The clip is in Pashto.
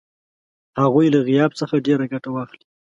هغوی له غیاب څخه ډېره ګټه واخلي.